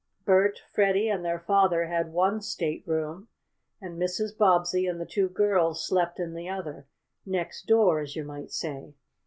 Bert, Freddie and their father had one stateroom and Mrs. Bobbsey and the two girls slept in the other, "next door," as you might say.